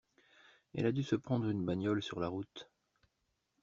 Elle a du se prendre une bagnole sur la route.